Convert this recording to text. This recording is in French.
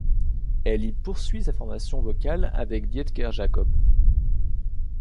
Elle y poursuit sa formation vocale avec Dietger Jacob.